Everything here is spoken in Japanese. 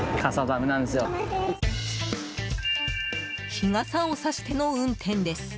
日傘をさしての運転です。